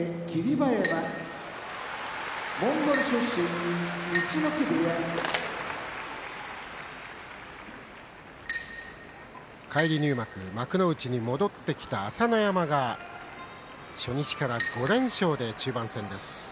馬山モンゴル出身陸奥部屋返り入幕幕内に戻ってきた朝乃山が初日から５連勝で中盤戦です。